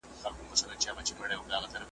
ګل غوندي مېرمن مي پاک الله را پېرزو کړې ,